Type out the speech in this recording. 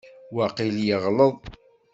Waqil yeɣleḍ.